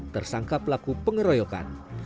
tersangka pelaku pengeroyokan